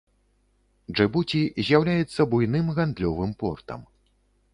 Джыбуці з'яўляецца буйным гандлёвым портам.